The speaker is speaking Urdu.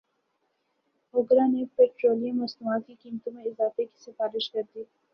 اوگرا نے پیٹرولیم مصنوعات کی قیمتوں میں اضافے کی سفارش کردی